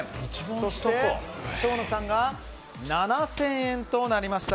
そして生野さんが７０００円となりました。